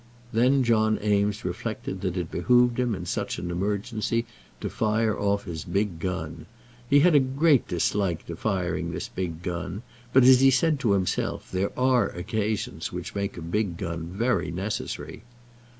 Then John Eames reflected that it behoved him in such an emergency to fire off his big gun. He had a great dislike to firing this big gun, but, as he said to himself, there are occasions which make a big gun very necessary.